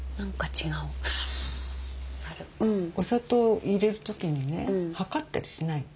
お砂糖入れる時にね量ったりしないの。